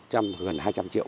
trong gần hai trăm linh triệu